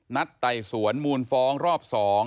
ไต่สวนมูลฟ้องรอบ๒